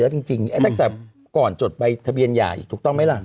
แล้วจริงจริงอืมตั้งแต่ก่อนจดใบทะเบียนใหญ่ถูกต้องไหมล่ะอืม